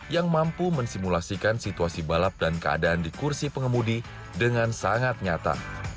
yang mampu mensimulasikan situasi balap dan keadaan di kursi pengemudi dengan sangat nyata